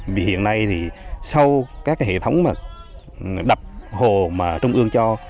vì hiện nay sau các hệ thống đập hồ mà trung ương cho